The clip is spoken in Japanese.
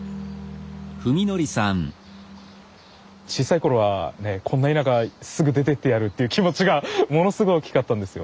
小さい頃はねこんな田舎すぐ出てってやるっていう気持ちがものすごい大きかったんですよ。